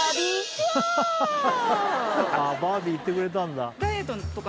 バービー行ってくれたんだ。